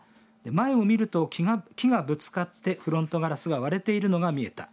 前の見ると木がぶつかってフロントガラスが割れているのが見えた。